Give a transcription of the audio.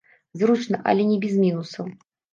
Зручна, але не без мінусаў.